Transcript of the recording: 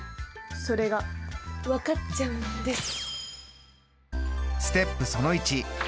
それが分かっちゃうんです。